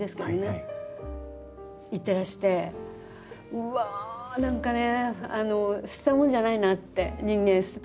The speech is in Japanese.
うわ何かね捨てたもんじゃないなって。